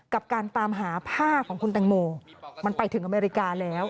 กับการตามหาผ้าของคุณแตงโมมันไปถึงอเมริกาแล้ว